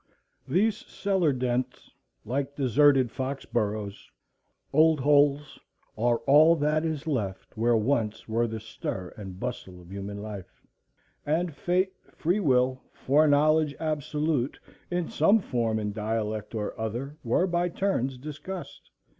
These cellar dents, like deserted fox burrows, old holes, are all that is left where once were the stir and bustle of human life, and "fate, free will, foreknowledge absolute," in some form and dialect or other were by turns discussed.